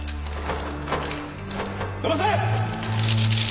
伸ばせ。